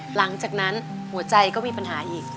หลังจากนั้นหัวใจก็มีปัญหาอีก